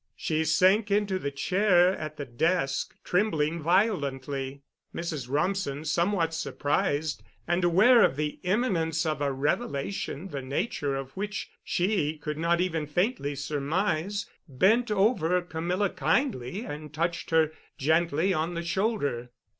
She sank into the chair at the desk, trembling violently. Mrs. Rumsen, somewhat surprised and aware of the imminence of a revelation the nature of which she could not even faintly surmise, bent over Camilla kindly and touched her gently on the shoulder.